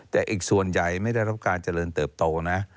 แต่อีกส่วนใหญ่ไม่ได้รับการเจริญเติบโตนะ